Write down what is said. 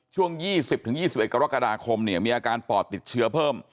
ช่วง๒๐๒๑กรกฎาคมมีอาการปอดติดเชื้อเพิ่ม